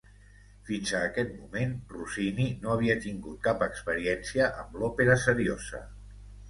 Fins a aquest moment, Rossini no havia tingut cap experiència amb l'òpera seriosa.